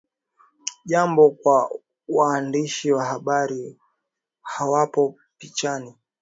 jambo kwa Waandishi wa Habari hawapo pichani